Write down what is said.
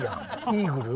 イーグル？